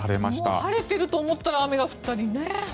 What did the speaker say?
もう晴れていると思ったら雨が降ったりね。